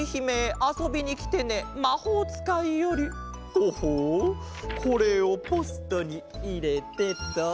ほほうこれをポストにいれてと。